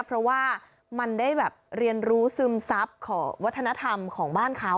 เพราะว่ามันได้แบบเรียนรู้ซึมซับของวัฒนธรรมของบ้านเขา